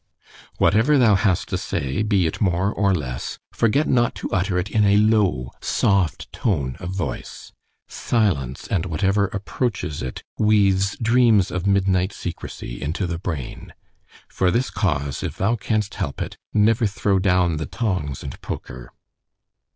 Whatever thou hast to say, be it more or less, forget not to utter it in a low soft tone of voice. Silence, and whatever approaches it, weaves dreams of midnight secrecy into the brain: For this cause, if thou canst help it, never throw down the tongs and poker.